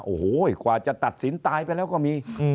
โอ้โหกว่าจะตัดสินตายไปแล้วก็มี